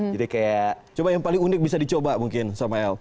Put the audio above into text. jadi kayak coba yang paling unik bisa dicoba mungkin sama el